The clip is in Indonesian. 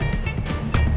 ya allah tapi kemana dia sih